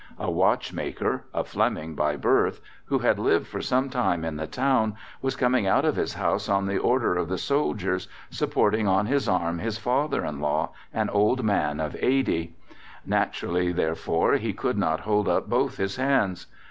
A watchmaker, a Fleming by birth, who had lived for some time in the Town, was coming out of his house on the order of the soldiers, supporting on his arm his father in law, an old man of 80. Naturally, therefore, he could not hold up both his hands.